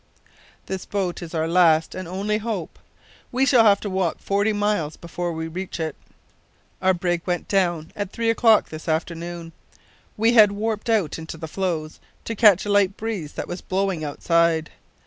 This boat is our last and only hope. We shall have to walk forty miles before we reach it. "Our brig went down at three o'clock this afternoon. We had warped out into the floes to catch a light breeze that was blowing outside.